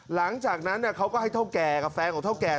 หลังจากนั้นเขาก็ให้เท่าแก่กับแฟนของเท่าแก่